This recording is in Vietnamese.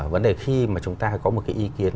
vấn đề khi mà chúng ta có một cái ý kiến